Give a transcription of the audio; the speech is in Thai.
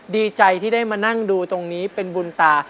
ดีใจที่ได้มานั่งดูตรงนี้เป็นบุญตา